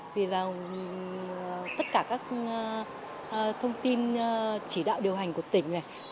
vì là tất cả các thông tin chỉ đạo điều hành của tỉnh này